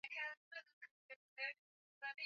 unga wa viazi lishe huweza kupikwa mkate